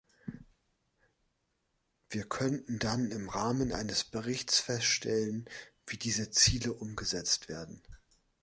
Wir könnten dann im Rahmen eines Berichts feststellen, wie diese Ziele umgesetzt werden.